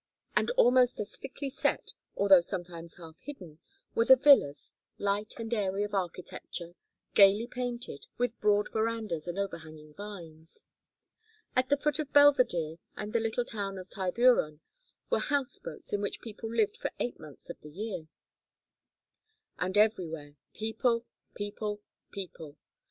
And almost as thickly set, although sometimes half hidden, were the villas: light and airy of architecture, gayly painted, with broad verandas and overhanging vines. At the foot of Belvedere and the little town of Tiburon were house boats, in which people lived for eight months of the year. And everywhere, people, people, people.